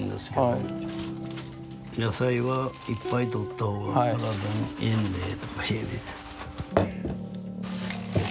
野菜はいっぱいとった方が体にいいんでとか言うて。